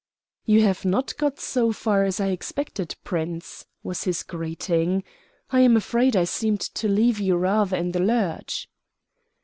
"You have not got so far as I expected, Prince," was his greeting. "I'm afraid I seemed to leave you rather in the lurch."